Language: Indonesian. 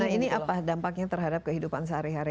nah ini apa dampaknya terhadap kehidupan sehari hari